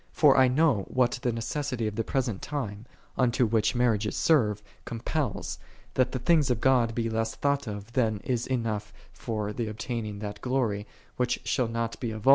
For I know what the necessity of the present time, unto which marriages serve, compels, that the things of God be less thought of than is enough for tiie obtaining that glory, which shall not be of r>isf>f»s,tti\>.